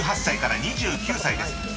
［１８歳から２９歳です］